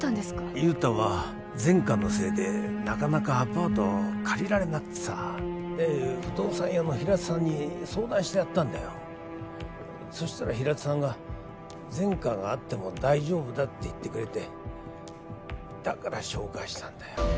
雄太は前科のせいでなかなかアパート借りられなくてさで不動産屋の平田さんに相談してやったんだよそしたら平田さんが前科があっても大丈夫だって言ってくれてだから紹介したんだよ